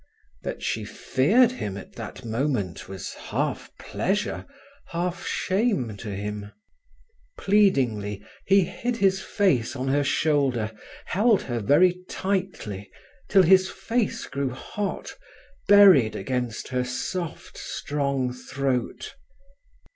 That she feared him at that moment was half pleasure, half shame to him. Pleadingly he hid his face on her shoulder, held her very tightly, till his face grew hot, buried against her soft strong throat.